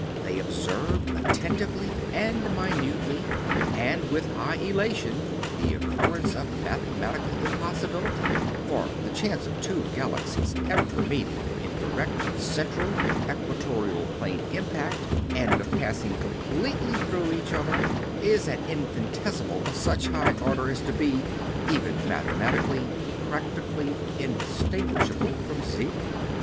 They observed attentively and minutely and with high elation the occurrence of mathematical impossibility; for the chance of two galaxies ever meeting in direct, central, equatorial plane impact and of passing completely through each other is an infinitesimal of such a high order as to be, even mathematically, practically indistinguishable from zero.